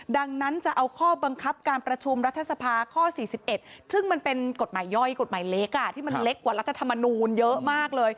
ดังนั้นจะเอาข้อบังคับการประชุมรัฐสภาข้อ๔๑